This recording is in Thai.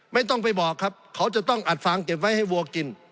ไม่ต้องไปบอกครับเขาจะต้องอัดฟางเก็บไว้ให้วัวกิน